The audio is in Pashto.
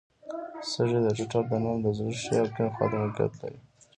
سږي د ټټر د ننه د زړه ښي او کیڼ خواته موقعیت لري.